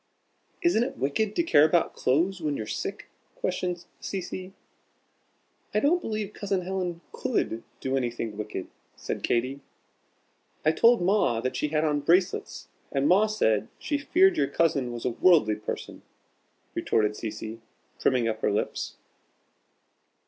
"Isn't it wicked to care about clothes when you're sick?" questioned Cecy. "I don't believe Cousin Helen could do anything wicked," said Katy. "I told Ma that she had on bracelets, and Ma said she feared your cousin was a worldly person," retorted Cecy, primming up her lips.